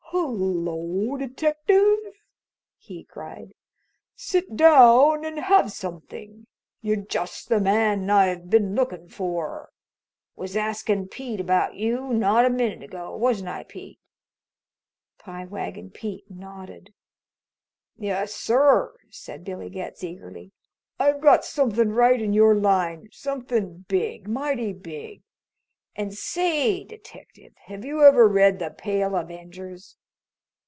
"Hello, detective!" he cried. "Sit down and have something! You're just the man I've been lookin' for. Was askin' Pete about you not a minute ago wasn't I, Pete?" Pie Wagon Pete nodded. "Yes, sir," said Billy Getz eagerly, "I've got something right in your line something big; mighty big and say, detective, have you ever read 'The Pale Avengers'?"